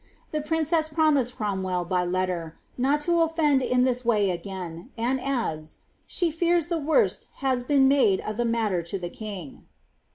The priacefi promised Cromwell, by letter, not to offend in this way aisain^and adds, ^ she fears the worst has been made of the matter to the king.